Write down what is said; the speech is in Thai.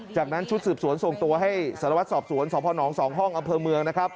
จากนั้นชุดสืบสวนส่งตัวให้สพน๒ห้องอำเภอเมืองนะครับ